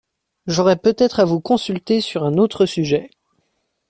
J'aurai peut-être à vous consulter sur un autre sujet.